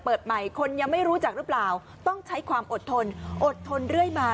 เปิดใหม่คนยังไม่รู้จักหรือเปล่าต้องใช้ความอดทนอดทนเรื่อยมา